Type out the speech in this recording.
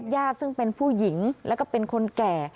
ซึ่งเป็นผู้หญิงแล้วก็เป็นคนแก่